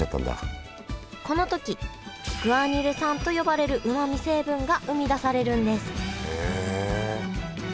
この時グアニル酸と呼ばれるうまみ成分が生み出されるんです。